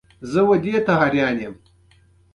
افغانستان کې د کابل سیند د نن او راتلونکي لپاره ارزښت لري.